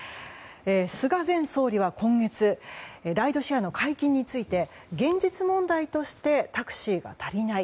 菅前総理は今月ライドシェアの解禁について現実問題としてタクシーが足りない。